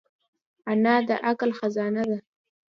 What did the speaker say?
انا د عقل خزانه ده